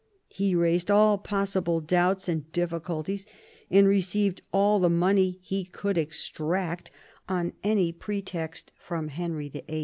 He raised all possible doubts and difficulties, and received all the money he could extract on any pretext from Henry VIII.